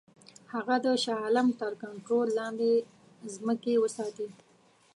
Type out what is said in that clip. هغه د شاه عالم تر کنټرول لاندي ځمکې وساتي.